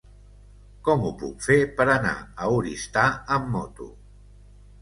Com ho puc fer per anar a Oristà amb moto?